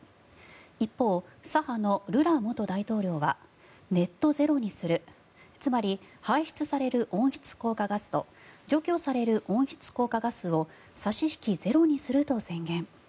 一方、左派のルラ元大統領はネット・ゼロにするつまり排出される温室効果ガスと除去される温室効果ガスを差し引きゼロにすると宣言。